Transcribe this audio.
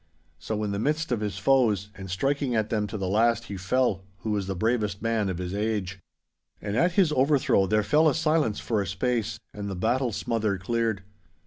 So in the midst of his foes, and striking at them to the last, he fell, who was the bravest man of his age. And at his overthrow there fell a silence for a space, and the battle smother cleared.